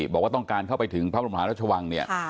บอกว่าต้องการเข้าไปถึงพระบรมหารัชวังเนี่ย